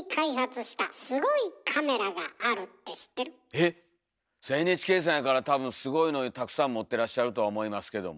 えっＮＨＫさんやから多分すごいのたくさん持ってらっしゃるとは思いますけども。